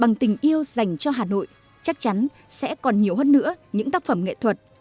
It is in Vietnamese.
bằng tình yêu dành cho hà nội chắc chắn sẽ còn nhiều hơn nữa những tác phẩm nghệ thuật